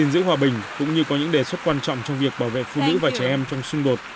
giữ hòa bình cũng như có những đề xuất quan trọng trong việc bảo vệ phụ nữ và trẻ em trong xung đột